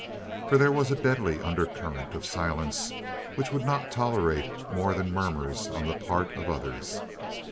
For there was a deadly undercurrent of silence which would not tolerate more than murmurs on the part of others.